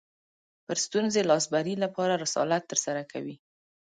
پر ستونزې لاسبري لپاره رسالت ترسره کوي